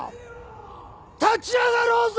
立ち上がろうぜ！